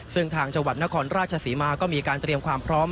ซึ่งทางจังหวัดนครราชศรีมาก็มีการเตรียมความพร้อม